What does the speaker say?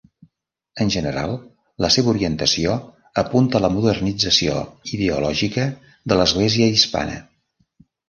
En general, la seva orientació apunta a la modernització ideològica de l'Església hispana.